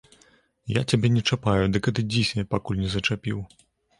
Я цябе не чапаю, дык адыдзіся, пакуль не зачапіў.